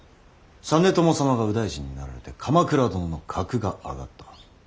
実朝様が右大臣になられて鎌倉殿の格が上がった。